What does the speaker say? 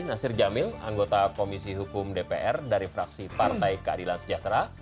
nasir jamil anggota komisi hukum dpr dari fraksi partai keadilan sejahtera